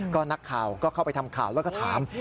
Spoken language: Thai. ก็นักข่าวก็เข้าไปทำข่าวแล้วก็ถาม